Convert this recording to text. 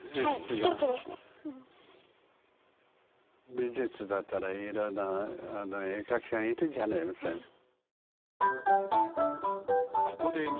美術だったらいろんな絵描きさんいるじゃありませんか。